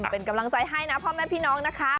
เป็นกำลังใจให้นะพ่อแม่พี่น้องนะคะ